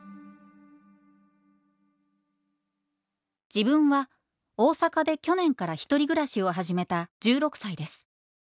「自分は大阪で去年から一人暮らしを始めた１６サイです。